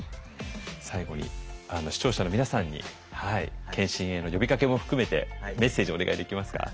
最後に視聴者の皆さんに検診への呼びかけも含めてメッセージをお願いできますか。